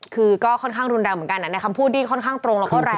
คือก็ค่อนข้างรุนแรงเหมือนกันในคำพูดที่ค่อนข้างตรงแล้วก็แรง